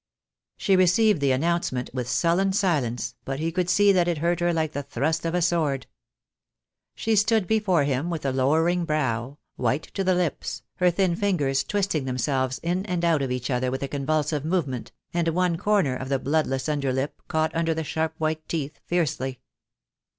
She received the announcement with sullen silence, but he could see that it hurt her like the thrust of a sword. She stood before him with a lowering brow, white to the lips, her thin fingers twisting themselves in and out of each other with a convulsive movement, and one corner of the bloodless under lip caught under the sharp white teeth fiercely.